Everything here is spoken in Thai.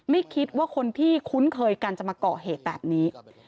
ไม่คิดว่าคนที่คุ้นเคยกันจะมาก่อเหตุแบบนี้